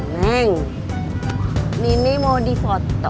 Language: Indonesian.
neng nini mau di foto